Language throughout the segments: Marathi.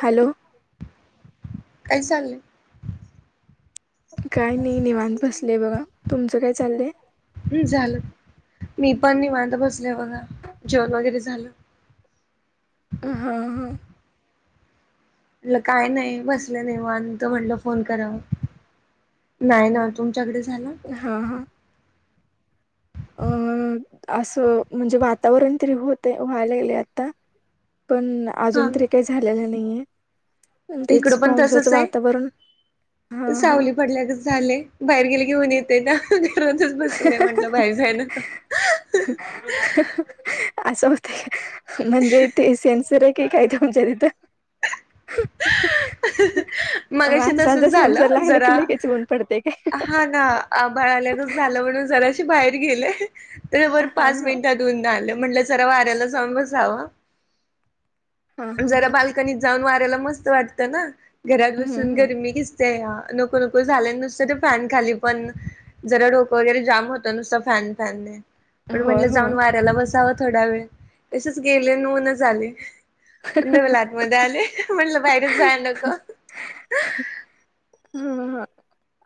हॅलो काय चागलं काय नाही निेवत बसलेय बघा तुमचं काय चाललंय झालं मी पण नि वाांता बसले बघा जवण वगैरे झालं हम हा हां म्ह काय नाही बसलं नाही मत म्हटलं फोन कराव नाही ना तुमच्याकडे झालं हां हां अं असं म्हणजे वातावरण तरी होत व्हायला गेले आता ह पण अजून तरी काही झालेलं नाहीये तेच इकडं पण पावसाचं तसच आहे. वातावरण हां हां सावली पडल्याच झालेय बाहेर गेले घेऊन येतय ना बसले म्हंटलं बाय जाय ना का असं होतय म्हणजे ते सेनसर आहे ते कायच म्हणच्या तिथं मगशी तस माणसांचा सेन्सर झालं लागला की जरा लगेच ऊन पडते काय हा ना आभळाल्या झालं म्हणून जरा बाहेर गेले तर वर हां पाच हां मिनिटात ऊन आलं म्हटलं जरा वाऱ्याला जाऊन बसाव. हां हां जरा हां बाल्कनीत जाऊन वाऱ्याला मस्त वाटत ना. घरात हम्म, बसून हम्म. गरमी कसतेय या. नको नको झालं नुसतं ते फॅन खाली पण जरा डोकं वगैरे जाम होत नुसत फॅन फॅनने. म्हणून होय म्हटलं होय जाऊन वाऱ्याला बसावं थोडा वेळ तसच गेले न ऊनच आले. डवल आतमध्येध्ये आले म्हटलं बाहेरच जाय नको. [unintelligible] ह ह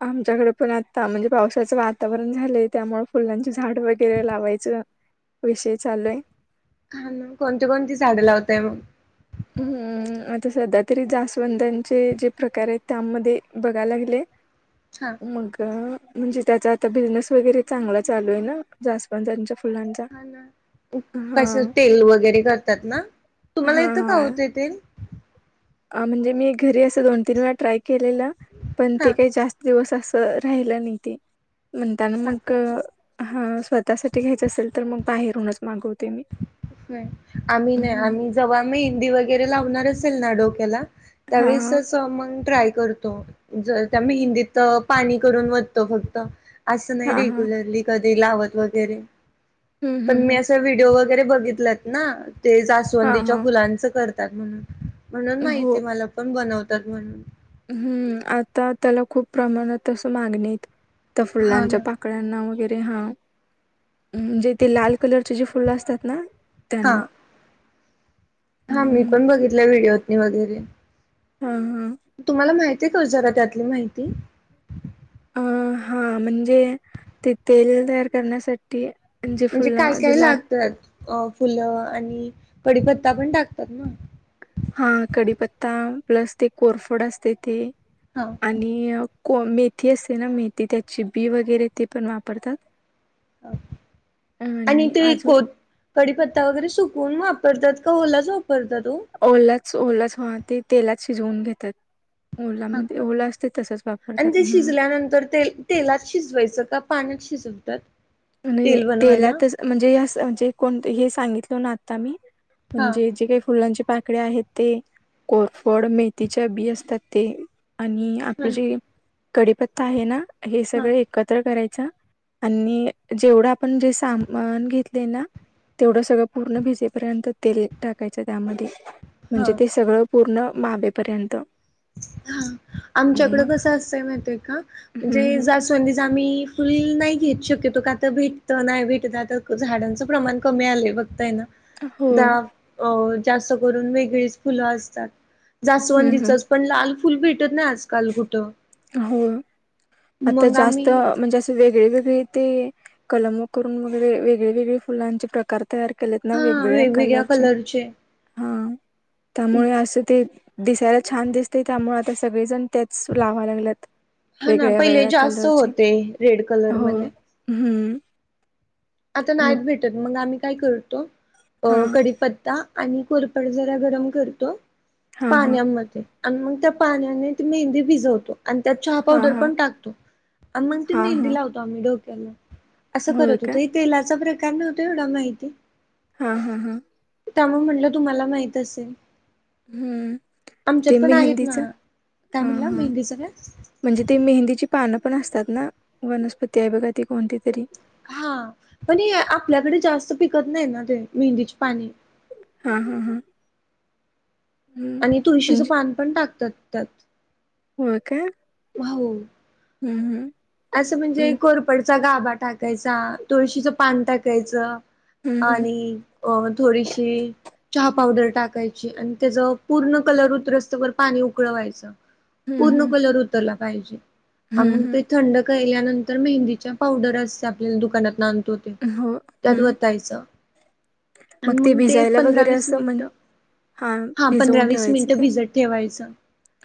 आमच्याकडे पण आता म्हणजे पावसाचं वातावरण झालंय त्यामुळे फुलां झाड वगैरे लावायचं विषय चालू आहे. हा ना कोणती कोणती झाड लावताय म. हम. आता सध्या तरी जासवंदांचे जे प्रकार आहेत त्यामध्ये बघायला लागले. हा मग. म्हणजे त्याचा आता बिझनेस वगैरे चांगला चालू आहे ना जास्वंदाच्या हा ना कस तेल वगैरे करतात ना, तुम्हाला येतो का हो? ते तेल. अ म्हणजे मी घरी असं दोन तीन वेळा ट्राय केलेलं पण हा ते काही जास्त दिवस अस राहिलं नाही ते म्हणताना हा मग का. हा स्वतःसाठी घ्यायचं असेल तर मग बाहेरहूनच माग होय, आम्ही नाही हा आम्ही जव्हा मेहंदी वगैरे लावणार असेल ना डोक्याला त्यावेळेस हा स मग ड्राय करतो जर त्या मेहंदीत पाणी करून वतो फक्त. असं नाही हां, हां. रेग्युलरली कधी लावत वगैरे हं, पण हं, मी हं. असं व्हिडिओ व वगैरे बघितलेत ना ते हां, जास्वंदीच्या हां. फुलांच करतात म्हणून. म्हणून माहिती मला पण बनवतात म्हणून. हम्म आता त्याला खूप प्रमाणात असं मागण्यायत. त्या हा फुलांच्या ना. पाकळ्यांना वगैरे हा, म्हजे ते लाल कलरचे जे फुलं असतात ना. हा. त्यांना. हा मी हं, पण बघितलय व्हिडिओतनी वगैरे. हा हा. तुम्हाला माहिती आहे काओ जरा त्यातली माहिती. अ हा म्हणजे ते तेल तयार करण्यासाठी जे म्हणजे काय फुलं काय जे लाल लागतात? अ फुलं आणि कपडीपत्ता पण टाकतात ना. हा कढीपत्ता प्लस ते कोरफोड असते ते हा आणि को मेथी असते ना मेथी त्याची बी वगैरे ते पण वापरतात. आणि ते कोथ कडीपत्ता वगैरे सुकवून वापरतात. का ओलाच वापरता ओ. ओलाच ओलाच हा ते तेलात शिजवून घेतात हा ओलामध्ये का ओला असते तस आणि ते शिजल्यानंतर ते तेलात शिजवायचं का पाण्यात शिज नाय तेलातच म्हणजे अस म्हणजे कोण ते हे सांगितलो ना आता मी. हा म्हणजे जे काही फुलांचे पान कळ्या आहेत ते कोरफड मेथीच्या बी असतात ते. आणि आपलं आणि जे कडीपत्ता आहे ना हे हा सगळे एकत्र कराय चा आणि जेवढं आपण जे सामान घेतलय ना. तेवढं सगळं पूर्ण भिजेपर्यंत तेल टाकायचं त्यामध्ये. हा म्हणजे ते सगळं पूर्ण मावेेपर्यंत. हा. आमच्याकड कसं असतंय माहितय का हम्म म्हणजे हम्म. जास्वंदीचं आम्ही फुल नाही घेत. शक्यतो का आता भेटत नाही भेटत तर झाडांचं प्रमाण कमी आलंय बघतय ना? हो अ जास्त करून वेगळीच फुलं असतात. हम्म हम्म जास्वंदीचच पण लाल फुल भेटत नाय आजकाल कुठं. हो. आता मग जास्त आम्ही म्हणजे असं वेग वेगवेेगळे ते कलम करून वगैरे वेगळे वेगळे फुलांचे प्रकार तयार केलेत ना वेगवेगळ्या कलरचे, हा त्यामुळे असं ते दिसायला छान दिसते, त्यामुळे आता सगळेजण त्याच लावा लागल्यात व हा ना पहिले जास्त होते रेड कलर हो मध्ये. हम्म. आता मग नाहीत भेटत मग आम्ही काय करतो अ हा कढीपत्ता आणि कोरपड जरा गरम करतो हा हा पाण्यामध्ये. आणि मग त्या पाण्याने ती मेहंदी भिजवतो. आणि त्यात चहा हा पावडर हा पण टाकतो आणि मग त हा मेहंदी हा लावतो आम्ही डोक्याला. होय काय? फूलाचा प्रकार नव्हतो एवढा माहिती. हा हा हा. त्यामुळ म्हटलं तुम्हाला माहित असेल? हम्म. आमच्यात ते पण आहेत ना मेहंदीच हा काय म्हणला हा मेहंदीचं काय म्हणजे ते मेहंदीची पानं पण असतात ना वनस्पती आहे बघा ती कोणती तरी? हा पण हे आपल्याकडे जास्त पिकत नाही ना ते मेहंदीचे पाने! हा हा हा. हम्म आणि तुळशीचं म्हणजे पान पण टाकतात त्यात. होय काय? होऊ! हम् हम्. असं म्हणजे कोरपडचा गाभा टाकायचा तुळशीचं पान टाकायचं. हम्म आणि अ थोडीशी चहा पावडर टाकायची आणि त्याचा पूर्ण कलर उतरस्त वर पाणी उकळवायचं. पूर्ण कलर उतरला पाहिजे. हम्म मग ते हम्म. थंड केल्यानंतर मेहंदीच्या पावडर असता आपल्या दुकानात आ णतो ते, हम्म हो त्यात हम्म वतायच आणि मग ते भिजायला पंधरा वगैरे वीस असं मिनिट म्हण हा पंधरा भिजवून वीस ठेवायचं मिनिट काय भिजत ठेवायचं.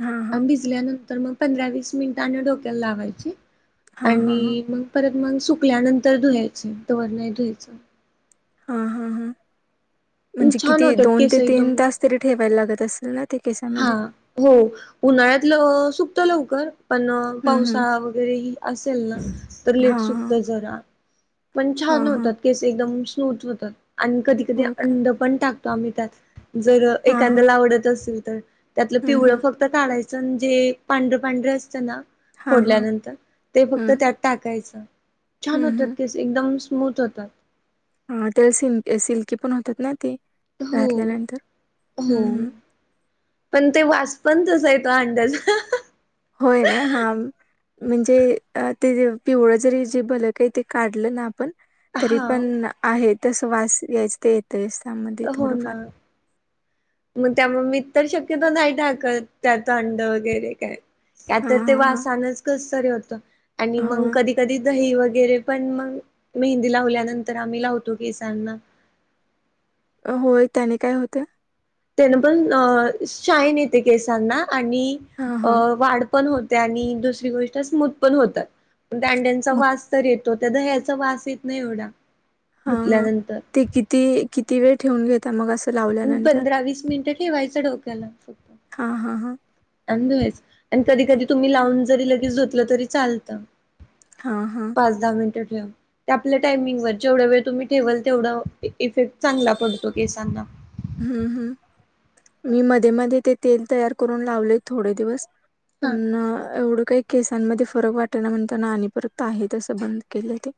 हा हा आणि भिजल्यानंतर तर मग पंधरा वस मिनिट डोक्याला लावायची, हा हा आणि हा मग परत मग सुकल्यानंतर धुवायचं तवर नाही धुवायचं. हा हा हा म्हणजे छान किती होतात दोन केस ते एकदम तीन तास तरी ठेवायला लागत असेल ना? ते हा केसामध्ये हो उन्हाळ्यातलं सुकत लवकर. पण हम्म हम्म पावसा वगैरे ह असेल ना तर हा लेट च हा सुक्त जरा. पण हा छान हा होतात केस एकदम स्मूथ होतात, आणि कधी कधी हो का अंड पण टाकतो आम्ही त्यात जर हा हा एखांद्याला आवडत असेल. तर त्यातलं हम्म पिवळं हम्म फक्त कााढायचं जे पांढरं पांढरं अस तं ना हा हा फोडल्यानंतर ते फक्त हम्म त्यात टाकायचं. छान हम्म होतात हम्म कस एकदम स्मूथ होतात. हा ते सिल् सिल्की पण होतात ना ती? हो हो हम्म पण ते वा पण तसा येतो अंडाचा होय ना हा म्हणजे ते पिवळं जरी जे भल काही ते काढलं ना आपण तरी हा पण आहे तस वास यायच ते येतच त्यामध्ये हो थोडंफार ना मग त्यामुळे मी तर शक्यतो नाही टाकत त्यात अंड वगैरे काय त्या हां तर ते हां हां वासानच कसतरी होत आणि हो मग कधी कधी दही वगैरे वगैरे पण मग मेहंदी लावल्यानंतर आम्ही लावतो केसांना अ, होय त्याने काय होत त्यान पण शाईन येते केसांना आणि हां हां वाढ पण होते आणि दुसरी गोष्ट स्मूथ पण होतात दांड्यांचा मग वास तर तो त्या ह्याचा वास येत नाही एवढा हा हा धुतल्यानंतर. ते किती किती वेळ ठेवून घेता मग अस पंधरा वीस मिनिटं ठेवायचं डोक्याला फक्त हां हां हां अन् धुवायचं आणि कधी कधी तुम्ही लावून जरी लगेच धूतलं तरी चालतं हां हां पाच दहा मिनट आपल्या टायमिंग वर जेवढा वेळ तुम्ही ठेवाल तेवढा इफेक्ट चांगला पडतो केसांना हम्म हम्म मी मध्ये मध्ये ते तेल तयार करून लावले थोडे दिवस हा पन एवढ काही केसांमध्ये फरक वाटाना म्हण त्यांना आणि परत आहे असं बंद केलं ते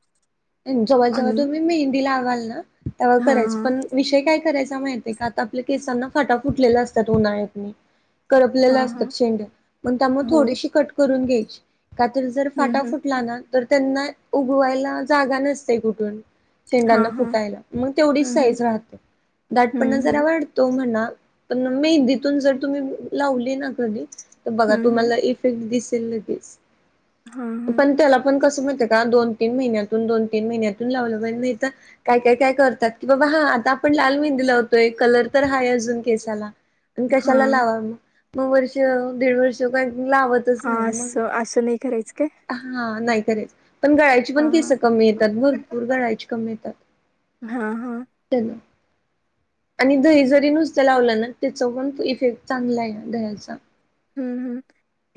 जेव्हा जेव्हा आणि तुम्ही मेहंदी लावाल ना तेव्हा हां करायच हां पण विषय काय करायचा मा का आता आपल्या केसांना फाटा फुटलेला असतात उन्हाळ्यातनी करपलेलं हां, हां. असतात शेंड मण त्यामुळे हो. थोडीशी कट करून घ्यायची का तर जर हं, फाटा हं. फुटला ना तर त्यांना उगवायला जागा नसते कुठून हां, शेंडांना हां. फुटायला मग तेवढीच हं, हं. साईज राहते हं, दाटपण हं. जरा वाढतो म्हणा प मेहंदतून जर तुम् लाली कधी तर बघा हं, हं. तुम्हाला इे दि हां, हां. पण त्याला पण कस का दोन तीन महि दोन तीन महिन्यातून लावलं पाहिजे नाही तर काय काय काय करतात की बाबा हा आता आपण लाल मेंदी लावतोय कलर तर हा अजून केसाला आणि कशाला हां. लावा मग मग वर्ष दीड वर्ष काय लावतच हां, नाही मग असं असं नाही करायचं काय? हा नाही खरेच पण गळ्याची पण हां, केस हां. कमी येतात भरपूर घडायची कमी येतात हां, हां. चल आणि दही जरी नुसत लावलं ना त्याच पण इफेक्ट चांगला आहे ना दह्याचा हम् हम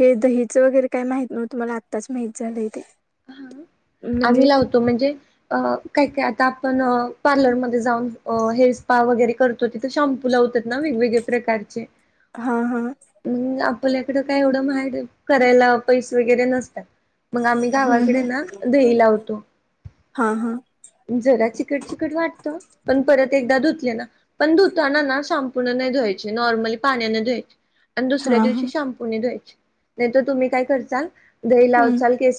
हे दहीचं वगैरे काय माहत नव्ह तुम्हाला आत्ताच माहित झालंय ते हा आम्ही म्हणजे लावतो म्हणजे अ काय काय आता आपण पार्लरमध्येध्ये जाऊन हेर स्पा वगैरे करतो तथ शॅम्पू वेगवेगळ्या प्रकारचे हा हा आपल्याकडं काय एवढं माहेर करायला पैसे वगैरे नसतात मग आम्ही हं, गावाकडे हं. ना दही लावतो हां, हां. जरा चिकट चिकट वाटत पण परत एकदा धुतले ना पण धुताना ना संपूर्ण नाही धुवायचे नॉर्मली पाण्याने धुवायचे आणि दुसऱ्या हां, हां. दिवशी शॅम्पूनेे धवाय नाही तरर तुम्ही काय करल दही हं. लावचाल के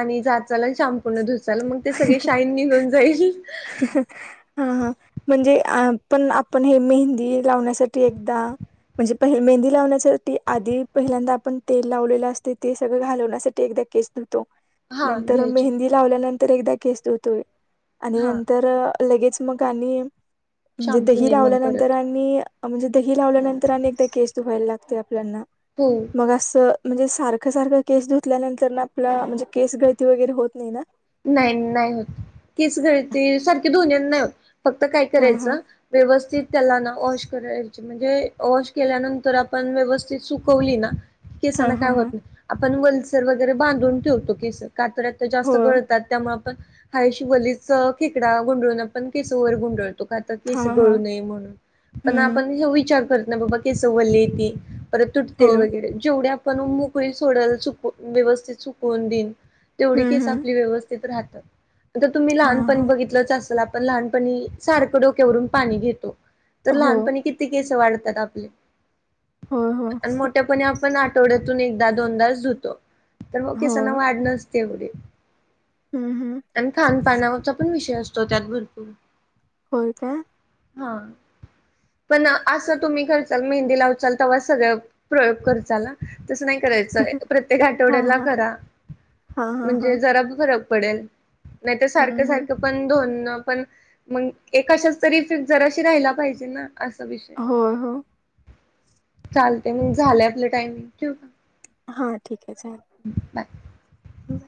आणिचाल आणि शमपूर्ण धुचाल मग ते सगळे शाईन निघऊन जाईल हा हा म्हणजे पण आपण हे मेहंदी लावण्यासाठी एकदा म्हणजे प मेहंदी लावण्यासाठी आधी पहिल्यांदा आपण तेल लावलेलं असते ते सगळं घालवण्यासाठी एकदा केस हा नंतर धुवायचे मेहंदी लावल्यानंतर एकदा केसतोय आणि हा लगेच मग आणि म्हणजे दही शॅम्पूने मग लावल्यानंतर परत आणि म्हणजे दही लावल्यानंतर अनेकदा केस दधुवायला लागते आपल्याना हो मग असं म्हणजे सारखं सारखं केस धुतल्यानंतर आपला म्हणजे केस गळती वगैरे होत नाही ना नाही नाही होत तेीच गळते सारखे दोन नाही होत फक्त काय हा हा करायचं व्यवस्थित त्याला ना वॉश करायचे म्हणजे वॉश केल्यानंतर आपण व्यवस्थित सुकवली ना हा केसांना हा काय हा होत नाही आपण वल्सर वगैरे बांधून ठेवतो केस कातऱ्यात हो जास्त गळत त्यामुळे आपण काा शिवलीच खेकडा गुंडळून आपण केसोवर गुंडळत त आता हा केस हा गळू नये म्हणून पण हम्म आपण विचार करत ना बाबा केस वले ती परत हो तुटतेल वगैरे जेवढे आपण मोकळी सोड चक व्यवस्थित चकवून देईन तेवढी हम्म केस हम्म आपली व्यवस्थित राहतात आ तुम्ही हा लहानपण हा बघितलंच असेल पण लहानपणी सारखं डोक्यावरून पाणी घेतो तर हो लहानपणी किती केस वाढत होय होय मोठ्याप आपण आठवड्यातून एकदा दोनदाच धुतो तर मग केसांना होय वाढ नसते एवढी हम्म हम्म आणि खानपानावरचा पण विषय असतो त्यात भरपूर होय का हा पण असं तुम्ही करचाल मेहंदी लावचाल तेव्हा सगळ प्रयोग कर ल तसं नाही करायचं प्रत्येक हा आठवड्याला हा करा हा हा हा म्हणजे जरा फरक ल नाही सारख हम्म हम्म सार पण पण मग एकाशाच तरी जराशी राहाला पाहिजे ना असा विषय होय हो चालते मग झालं आपलं टायमिंग ठेव का हा ठीक आहेच बाय आहे